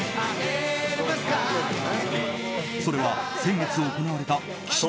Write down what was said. それは先月行われた氣志